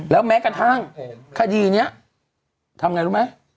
แล้วแม้กระทั่งคดีนี้ทำไงรู้ไหม